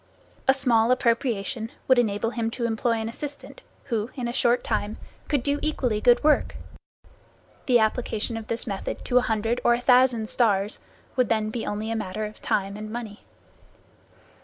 A small appropriation would enable him to employ an assistant who, in a short time, could do equally good work. The application of this method to a hundred or a thousand stars would then be only a matter of time and money.